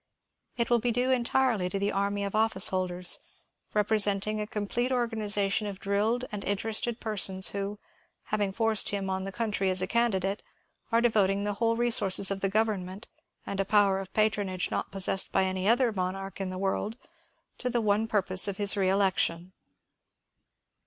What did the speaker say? It will be due entirely to the army of office holders, represent ing a complete organization of drilled and interested persons who, having forced him on the country as a candidate, are devoting the whole resources of the government, and a power of patronage not possessed by any other monarch in the world, to the one purpose of his reelection."